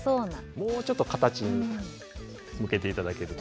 もうちょっと形に向けて頂けると。